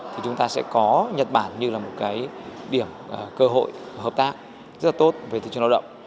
thì chúng ta sẽ có nhật bản như là một cái điểm cơ hội hợp tác rất là tốt về thị trường lao động